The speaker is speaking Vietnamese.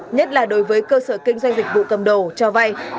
nhất là đối với cơ sở kinh doanh dịch vụ cầm đồ cho vay